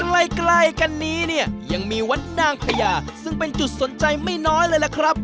ใกล้ใกล้กันนี้เนี่ยยังมีวัดนางพญาซึ่งเป็นจุดสนใจไม่น้อยเลยล่ะครับ